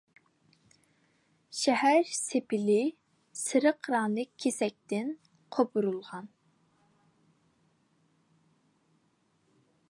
شەھەر سېپىلى سېرىق رەڭلىك كېسەكتىن قوپۇرۇلغان.